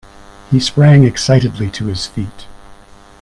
He sprang excitedly to his feet.